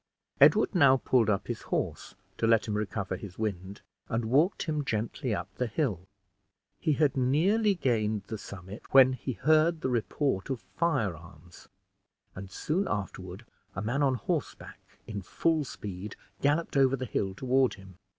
Edward now pulled up his horse to let him recover his wind, and walked him gently up the hill. He had nearly gained the summit when he heard the report of firearms, and soon afterward a man on horseback, in full speed, galloped over the hill toward him.